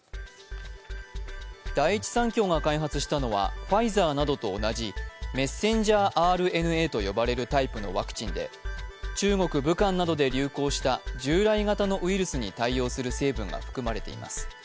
第一三共が開発したのはファイザーなどと同じメッセンジャーＲＮＡと呼ばれるタイプのワクチンで中国・武漢などで流行した従来型のウイルスに対応する成分が含まれています。